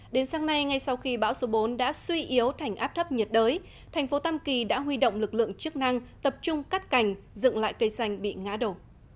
đến sáng nay ngay sau khi bão số bốn đã suy yếu thành áp thấp nhiệt đới thành phố tam kỳ đã huy động lực lượng chức năng tập trung cắt cành dựng lại cây xanh bị ngã đổ